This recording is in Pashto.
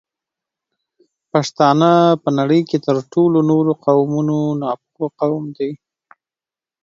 پښتانه په نړۍ کې تر ټولو نورو قومونو ناپوه قوم دی